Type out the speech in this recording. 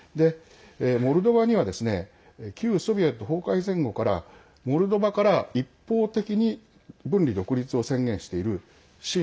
モルドバには旧ソビエト崩壊前後からモルドバから一方的に分離独立を宣言している親